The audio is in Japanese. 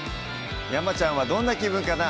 山ちゃんはどんな気分かな？